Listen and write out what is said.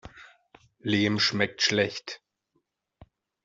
Lehm schmeckt schlecht.